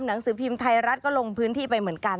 หนังสือพิมพ์ไทยรัฐก็ลงพื้นที่ไปเหมือนกัน